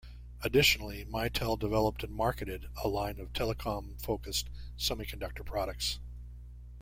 Additionally Mitel developed and marketed a line of telecom-focussed semiconductor products.